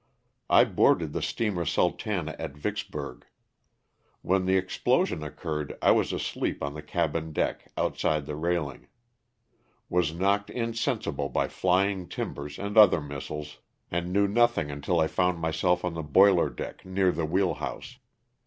I boarded the steamer *' Sultana'' at Vicksburg. When the explosion occurred I was asleep on the cabin deck, outside the railing. Was knocked insensible by flying timbers and other missiles and knew nothing 218 LOSS OV THE SULTAKA. until I found myself on the boiler deck near the wheel house.